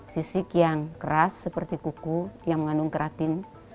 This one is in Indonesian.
sisik yang keras seperti kuku yang mengandung keratin